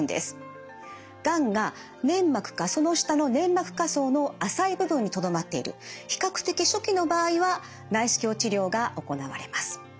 がんが粘膜かその下の粘膜下層の浅い部分にとどまっている比較的初期の場合は内視鏡治療が行われます。